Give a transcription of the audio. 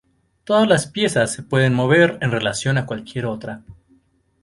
Todas las piezas se pueden mover en relación a cualquier otra.